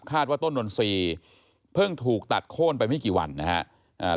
ว่าต้นนนทรีย์เพิ่งถูกตัดโค้นไปไม่กี่วันนะครับ